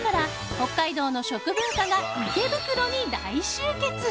北海道の食文化が池袋に大集結。